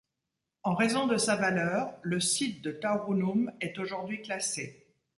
En raison de sa valeur, le site de Taurunum est aujourd'hui classé.